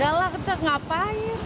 gak lah kita ngapain